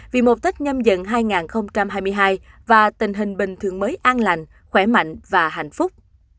vì mục tích nhâm dận hai nghìn hai mươi hai và tình hình bình thường mới an lành khỏe mạnh và hạnh phúc